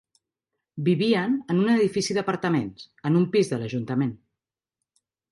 Vivien en un edifici d'apartaments, en un pis de l'ajuntament